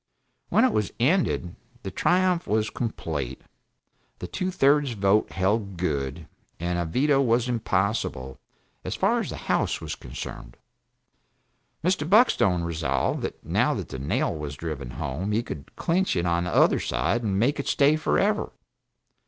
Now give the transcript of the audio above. When it was ended the triumph was complete the two thirds vote held good, and a veto was impossible, as far as the House was concerned! Mr. Buckstone resolved that now that the nail was driven home, he would clinch it on the other side and make it stay forever.